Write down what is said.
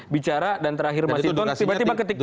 bicara dan terakhir mas inton tiba tiba ketik paluk